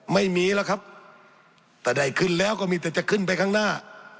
ไม่มีแล้วครับถ้าได้ขึ้นแล้วก็มีแต่จะขึ้นไปข้างหน้า